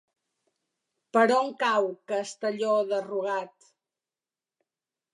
Per on cau Castelló de Rugat?